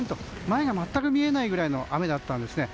前が全く見えないくらいの雨だったんですね。